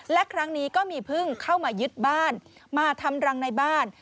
และครั้งนี้ก็มีพึ่งเข้ามายึดบ้านมาทำรังในบ้าน